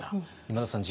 今田さん